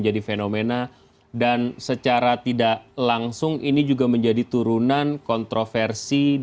kita tidak pernah melihat stirnya atau memaksa mighty dia yg mengyack kain dan mengkhianati kita